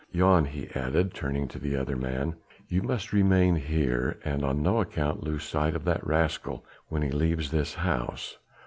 Jan," he added, turning to the other man, "you must remain here and on no account lose sight of that rascal when he leaves this house.